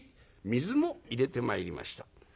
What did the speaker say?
水も入れてまいりました」。